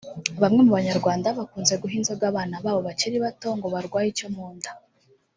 Bamwe mu Banyarwanda bakunze guha inzoga abana babo bakiri bato ngo barwaye icyo mu nda